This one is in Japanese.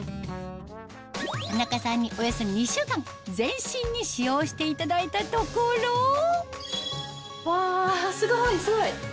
田中さんにおよそ２週間全身に使用していただいたところわぁすごいすごい！